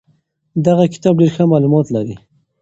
دغه کتاب ډېر ښه معلومات لري.